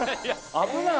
危ない！